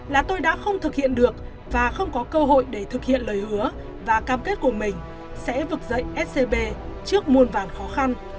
là tôi đã không thực hiện được và không có cơ hội để thực hiện lời hứa và cam kết của mình sẽ vực dậy scb trước muôn vàn khó khăn